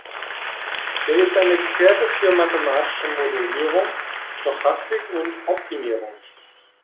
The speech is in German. Er ist ein Experte für mathematische Modellierung, Stochastik und Optimierung.